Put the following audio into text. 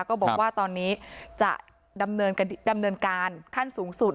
ก็บอกว่าตอนนี้จะดำเนินการขั้นสูงสุด